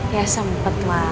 ya sempet ma